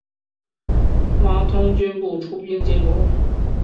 王通均不出兵进攻。